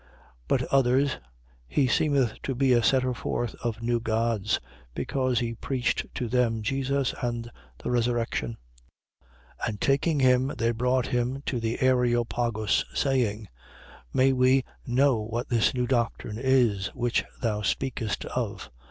But others: He seemeth to be a setter forth of new gods. Because he preached to them Jesus and the resurrection. 17:19. And taking him, they brought him to the Areopagus, saying: May we know what this new doctrine is, which thou speakest of?